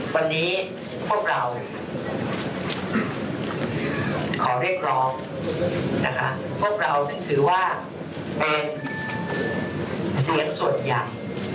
วันนี้พวกเราขอเรียกร้องนะคะพวกเราถือว่าเป็นเสียงส่วนใหญ่